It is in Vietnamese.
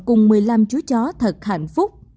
cùng một mươi năm chú chó thật hạnh